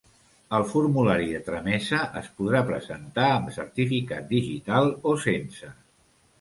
El formulari de tramesa es podrà presentar amb certificat digital o sense.